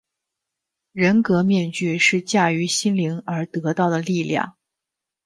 人格面具是驾驭心灵而得到的力量。